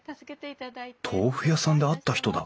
あっ豆腐屋さんで会った人だ！